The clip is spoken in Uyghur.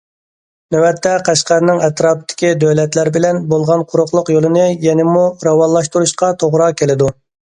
نۆۋەتتە، قەشقەرنىڭ ئەتراپتىكى دۆلەتلەر بىلەن بولغان قۇرۇقلۇق يولىنى يەنىمۇ راۋانلاشتۇرۇشقا توغرا كېلىدۇ.